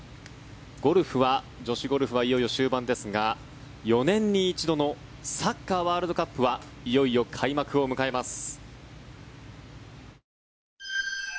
女子ゴルフはいよいよ終盤ですが４年に一度のサッカーワールドカップはいよいよ開幕を迎えます。